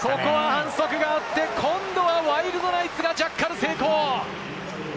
反則があって、今度はワイルドナイツがジャッカル成功。